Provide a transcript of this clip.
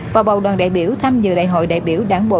và bầu đoàn đại biểu tham dự đại hội đại biểu đảng bộ